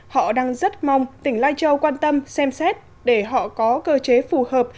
họ đang rất mong tỉnh lai châu quan tâm xem xét để họ có cơ chế phù hợp